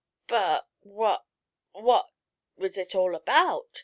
"But what what was it all about?"